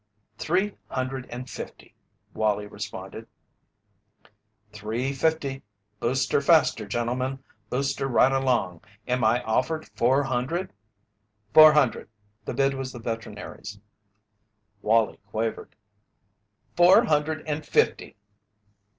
"Three hundred and fifty," Wallie responded. "Three fifty! Boost her faster, gentlemen! Boost her right along! Am I offered four hundred?" "Four hundred!" The bid was the veterinary's. Wallie quavered: "Four hundred and fifty!"